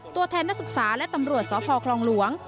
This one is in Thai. ตัวแทนนักศึกษาและตำรวจสพคลองหลวง